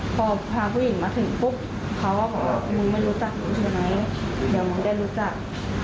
พอพาผู้หญิงมาถึงปุ๊บเขาก็บอกว่ามึงไม่รู้จักมึงใช่ไหมเดี๋ยวมึงได้รู้จัก